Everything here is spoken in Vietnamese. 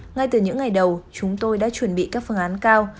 ngay từ những ngày đầu chúng tôi đã chuẩn bị các phương án cao